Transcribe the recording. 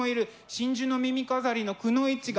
真珠の耳飾りのくノ一が。